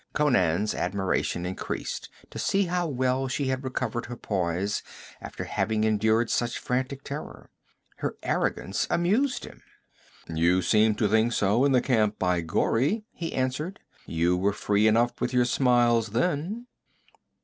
Conan's admiration increased to see how well she had recovered her poise after having endured such frantic terror. Her arrogance amused him. 'You seemed to think so in the camp by Ghori,' he answered. 'You were free enough with your smiles then.'